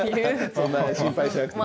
そんなに心配しなくても。